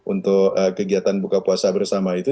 untuk kegiatan buka puasa bersama itu